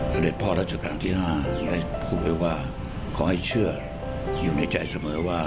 เด็จพ่อรัชกาลที่๕ได้พูดไว้ว่าขอให้เชื่ออยู่ในใจเสมอว่า